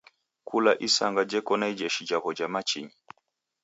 Kula isanga jeko na ijeshi jaw'o ja machinyi.